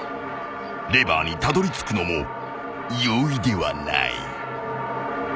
［レバーにたどりつくのも容易ではない］